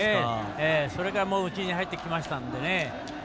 それが内に入ってきましたので。